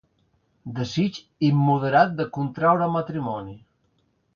Desig immoderat de contraure matrimoni.